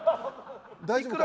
大丈夫か？